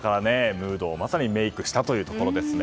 ムードをまさにメイクしたところですね。